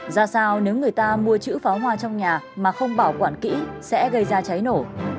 ra sao nếu người ta mua chữ pháo hoa trong nhà mà không bảo quản kỹ sẽ gây ra cháy nổ